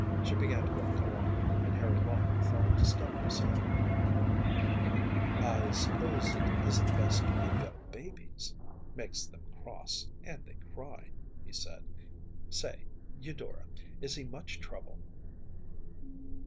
She began to walk along, and Harry Lawton fell into step beside her. “I suppose it isn’t best to wake up babies; makes them cross, and they cry,‚ÄĚ he said. “Say, Eudora, is he much trouble?